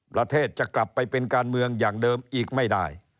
ประเทศจะกลับไปเป็นการเมืองอย่างเดิมอีกไม่ได้